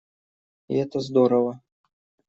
И это здорово.